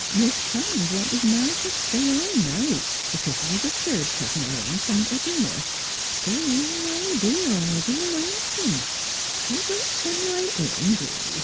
Mis' Cummins wanted Ma should stay all night, b'cause th' was a third cousin o' hern comin' t' dinner. So here I be, all b' m' lonesome. ... But come right in, do